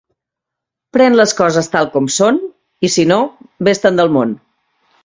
Pren les coses tal com són i, sinó, ves-te'n del món.